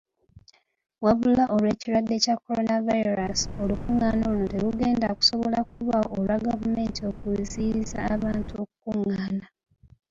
Wabula olw'ekirwadde kya coronavirus, olukungaana luno terugenda kusobola kubaawo olwa gavumenti okuziyiza abantu okukungaana.